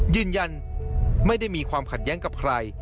ยืนยันไม่ได้มีความขัดแย้งกับใคร